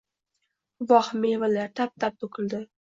Voh, mevalar! Tap-tap to‘kildi.